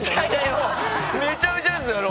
もうめちゃめちゃですよね